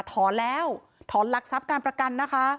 ถอนแล้วถอนหลักทรัพย์การประกันนะคะ